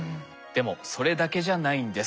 でもそれだけじゃないんです。